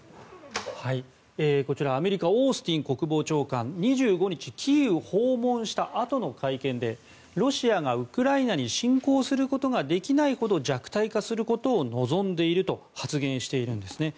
こちら、アメリカオースティン国防長官２５日にキーウ訪問したあとの会見でロシアがウクライナに侵攻することができないほど弱体化することを望んでいると発言しているんですね。